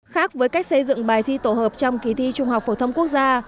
khác với cách xây dựng bài thi tổ hợp trong kỳ thi trung học phổ thông quốc gia